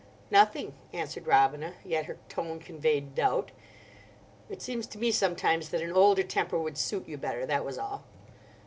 "Nothing," answered Robina. Yet her tone conveyed doubt. "It seems to me sometimes that an older temper would suit you better, that was all."